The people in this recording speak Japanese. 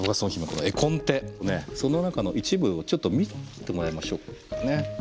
その中の一部をちょっと見てもらいましょうかね。